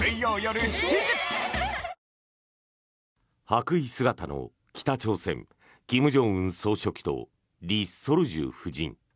白衣姿の北朝鮮金正恩総書記と李雪主夫人。